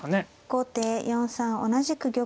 後手４三同じく玉。